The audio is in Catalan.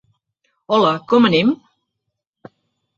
Hola, com anem?